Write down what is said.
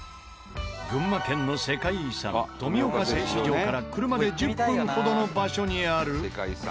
群馬県の世界遺産富岡製糸場から車で１０分ほどの場所にある。